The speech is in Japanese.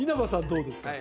どうですか？